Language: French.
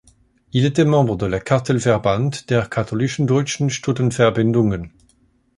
Il était membre de la Cartellverband der katholischen deutschen Studentenverbindungen.